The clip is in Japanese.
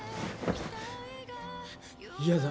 嫌だ。